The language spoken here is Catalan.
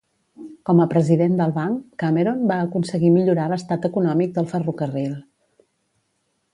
Com a president del banc, Cameron va aconseguir millorar l'estat econòmic del ferrocarril.